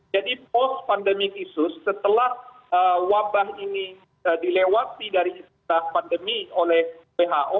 jadi post pandemic isu setelah wabah ini dilewati dari pandemi oleh who